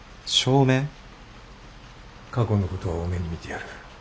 過去のことは大目に見てやる。